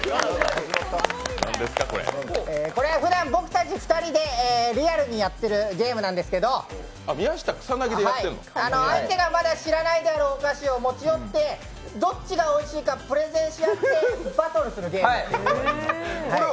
これはふだん、僕たち２人でリアルにやってるゲームなんですけど相手がまだ知らないであろうお菓子を持ち寄ってどっちがおいしいかプレゼンし合って、バトルするゲームです。